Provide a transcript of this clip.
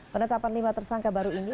penetapan lima tersangka baru ini